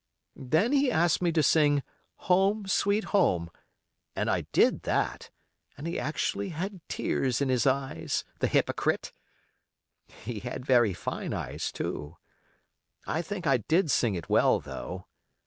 Then he asked me to sing 'Home, Sweet Home', and I did that, and he actually had tears in his eyes—the hypocrite! He had very fine eyes, too. I think I did sing it well, though.